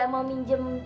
ga mau terima